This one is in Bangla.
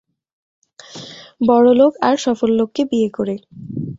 বড়লোক আর সফল লোককে বিয়ে করে।